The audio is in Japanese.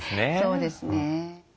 そうですね